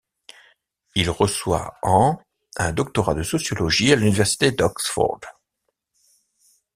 Il reçoit en un doctorat de sociologie à l'université d'Oxford.